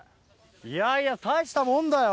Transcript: いやいや大したもんだよ